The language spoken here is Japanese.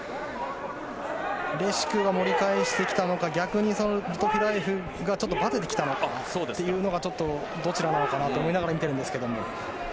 レシュクが盛り返してきたのか逆にルトフィラエフがちょっとバテてきたのかというちょっとどちらなのかなと思いながら見ているんですけど。